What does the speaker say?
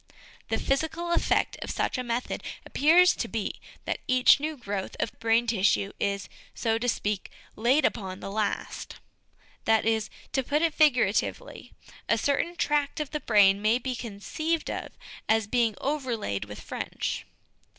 The physical effect of such a method appears to be that each new growth of brain tissue is, so to speak, laid upon the last ; that is, to put it figuratively, a certain tract of the brain may be conceived of as being overlaid with French.